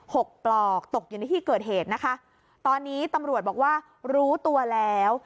หกปลอกตกอยู่ในที่เกิดเหตุนะคะตอนนี้ตำรวจบอกว่ารู้ตัวแล้ว